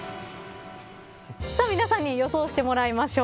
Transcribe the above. さあ、皆さんに予想してもらいましょう。